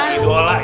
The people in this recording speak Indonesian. idola ya allah